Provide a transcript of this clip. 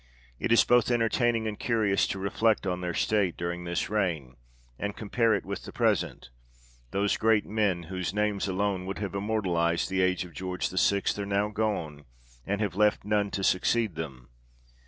It is both entertaining and curious to reflect on their state during this reign, and compare it with the present ; those great men whose names alone would have immortalized the age of George VI. are now gone, and have left none to succeed them.